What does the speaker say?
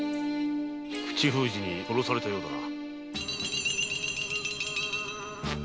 口封じに殺されたようだな。